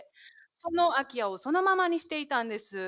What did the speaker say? その空き家をそのままにしていたんです。